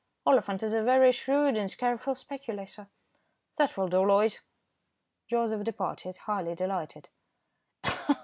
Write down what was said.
Oliphant is a very shrewd and careful speculator. That will do, Loyd." Joseph departed, highly delighted.